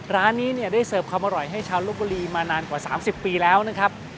ร้านนี้เนี่ยได้เสิร์ฟความอร่อยให้ชาวลบบุรีมานานกว่า๓๐ปีแล้วนะครับ